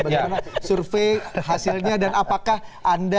bagaimana survei hasilnya dan apakah anda